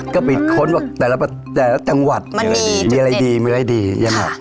ก็ไปค้นว่าแต่ละจังหวัดมีอะไรดีมีอะไรดีมีอะไรดีใช่ไหม